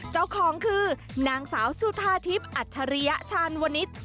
เจ้าของคือนางสาวสุธาทิพย์อัจฉริยชาญวนิษฐ์